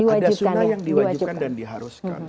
ada sungai yang diwajibkan dan diharuskan